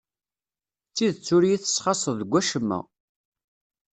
D tidet ur iyi-tesxaṣṣeḍ deg wacemma.